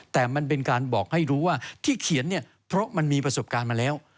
แต่มันเป็นการบอกให้รู้ว่าที่เขียนเนี่ยเพราะมันมีประสบการณ์มาแล้ว